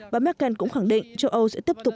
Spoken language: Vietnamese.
bà merkel cũng khẳng định châu âu sẽ tiếp tục